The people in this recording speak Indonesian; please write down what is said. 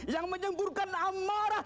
yang menyemburkan amarah